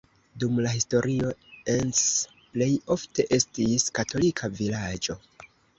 Dum la historio Encs plej ofte estis katolika vilaĝo.